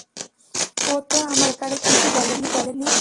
ও তো আমাকে এ ব্যাপারে কিছু বলেনি।